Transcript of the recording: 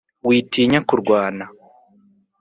witinya kurwana